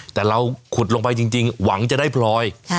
แต่เราขุดลงไปจริงหวังจะได้พลอย